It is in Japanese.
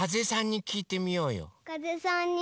かぜさんに？